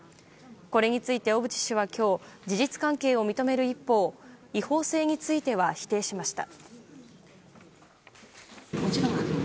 これについて小渕氏は今日事実関係を認める一方違法性については否定しました。